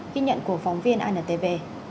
khi nhận của phóng viên antv